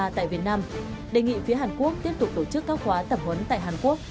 tại việt nam đề nghị phía hàn quốc tiếp tục tổ chức các khóa tập huấn tại hàn quốc